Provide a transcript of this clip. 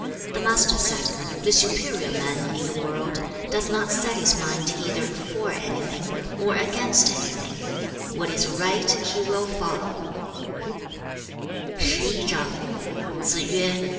The Master said, 'The superior man, in the world, does not set his mind either for anything, or against anything; what is right he will follow.'